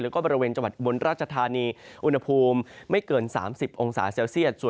แล้วก็บริเวณจังหวัดอุบลราชธานีอุณหภูมิไม่เกิน๓๐องศาเซลเซียต